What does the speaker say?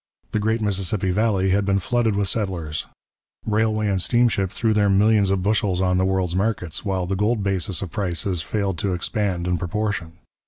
The great Mississippi valley had been flooded with settlers, railway and steamship threw their millions of bushels on the world's markets, while the gold basis of prices failed to expand in proportion.